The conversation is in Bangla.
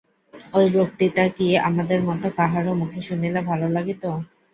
ঐ বক্তৃতা কি আমাদের মতো কাহারো মুখে শুনিলে ভালো লাগিত?